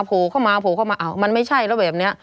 โผล่เข้ามาโผล่เข้ามาอ้าวมันไม่ใช่แล้วแบบนี้